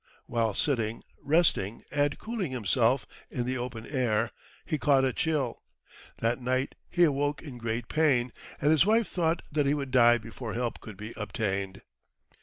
While sitting resting, and cooling himself in the open air, he caught a chill. That night he awoke in great pain, and his wife thought that he would die before help could be obtained.